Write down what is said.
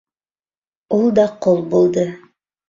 Ул да ҡол булды.